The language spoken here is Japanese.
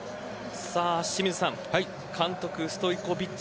清水さん監督、ストイコヴィッチ